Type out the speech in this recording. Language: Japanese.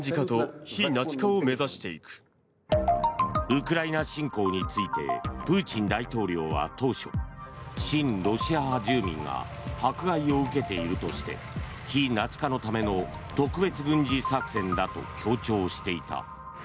ウクライナ侵攻についてプーチン大統領は当初、親ロシア派住民が迫害を受けているとして非ナチ化のための特別軍事作戦だと強調していた。